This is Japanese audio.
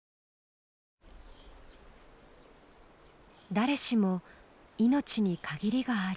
誰しも命に限りがある。